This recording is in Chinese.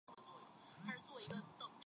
暹罗盾蛭为舌蛭科盾蛭属的动物。